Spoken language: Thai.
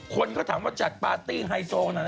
คนก็ถามว่าจัดปาร์ตี้ไฮโซไหน